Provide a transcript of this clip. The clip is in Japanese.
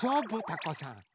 タコさん。